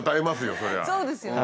そうですよね。